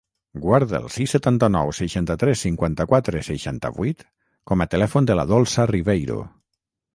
Guarda el sis, setanta-nou, seixanta-tres, cinquanta-quatre, seixanta-vuit com a telèfon de la Dolça Riveiro.